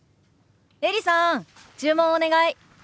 エリさん注文お願い。